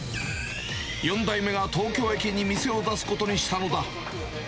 ４代目が東京駅に店を出すことにしたのだ。